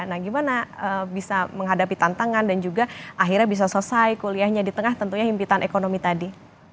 nah gimana bisa menghadapi tantangan dan juga akhirnya bisa selesai kuliahnya di tengah tentunya himpitan ekonomi tadi